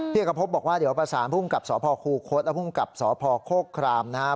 เอกพบบอกว่าเดี๋ยวประสานภูมิกับสพคูคศและภูมิกับสพโคกครามนะครับ